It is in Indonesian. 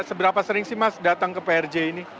seberapa sering sih mas datang ke prj ini